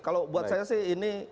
kalau buat saya sih ini